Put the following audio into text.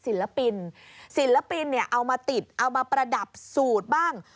ศิลปินศิลปินเนี่ยเอามาติดเอามาประดับสูตรบ้าง